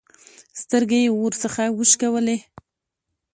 سترګې يې ورڅخه وشکولې.